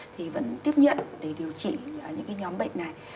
thì vẫn tiếp nhận để điều trị những cái nhóm bệnh này